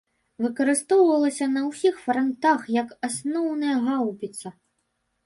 Выкарыстоўвалася на ўсіх франтах як асноўная гаўбіца.